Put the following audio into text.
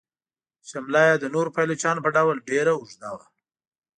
شمله یې د نورو پایلوچانو په ډول ډیره اوږده وه.